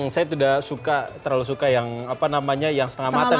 saya tidak suka terlalu suka yang apa namanya yang setengah matang